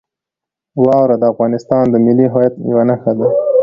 واوره د افغانستان د ملي هویت یوه نښه ده.